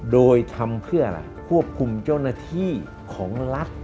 โดยทำเพื่ออะไรควบคุมเจ้าหน้าที่ของรัฐ